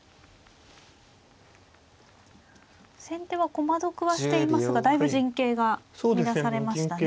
先手は駒得はしていますがだいぶ陣形が乱されましたね。